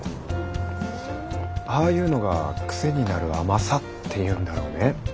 ああいうのがクセになる甘さっていうんだろうね。